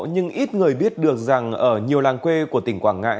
nhưng ít người biết được rằng ở nhiều làng quê của tỉnh quảng ngãi